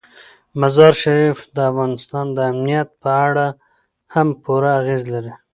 مزارشریف د افغانستان د امنیت په اړه هم پوره اغېز لري.